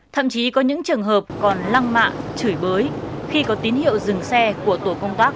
thậm chí có những trường hợp còn lăng mạng chửi bới khi có tín hiệu dừng xe của tổ công tác một trăm bốn mươi một